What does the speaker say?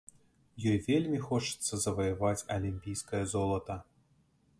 Ёй вельмі хочацца заваяваць алімпійскае золата.